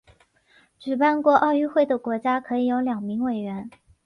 举办过奥运会的国家可以有两名委员。